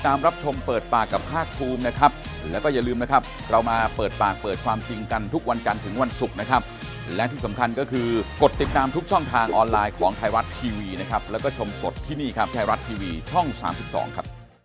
ท่านบิ๊กล้องเนี่ยครับที่ดูงานสอบส่วนให้ติดตามคดีให้หน่อย